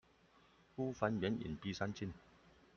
孤帆遠影碧山近